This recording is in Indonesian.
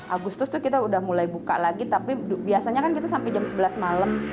agustus tuh kita udah mulai buka lagi tapi biasanya kan kita sampai jam sebelas malam